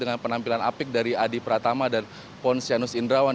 dengan penampilan apik dari adi pratama dan ponsianus indrawan